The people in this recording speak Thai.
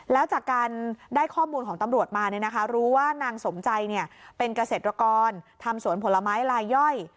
แล้วจากการได้ข้อมูลของตำรวจมารู้ว่านางสมใจเป็นเกษตรกรทำสวนผลไม้ลายย่อย